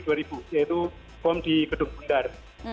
yaitu bom di gedung bundar